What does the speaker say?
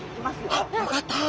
あっよかった。